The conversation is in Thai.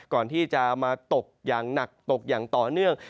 ก่อนที่จะมาตกอย่างหนักตกอย่างต่อเนื่อง